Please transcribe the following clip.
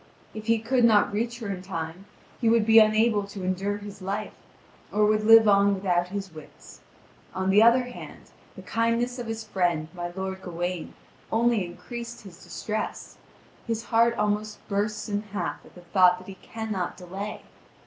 If he could not reach her in time, he would be unable to endure his life, or would live on without his wits on the other hand, the kindness of his friend, my lord Gawain, only increased his distress; his heart almost bursts in half at the thought that he cannot delay.